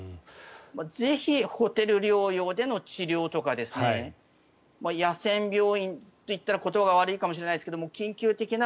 ぜひホテル療養での治療とか野戦病院といったら言葉が悪いかもしれないですが緊急的な、